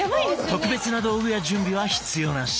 特別な道具や準備は必要なし！